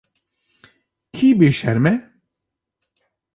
Kî bêşerm e?